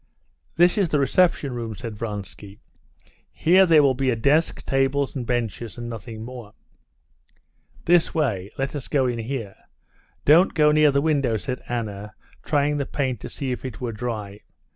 "This is the reception room," said Vronsky. "Here there will be a desk, tables, and benches, and nothing more." "This way; let us go in here. Don't go near the window," said Anna, trying the paint to see if it were dry.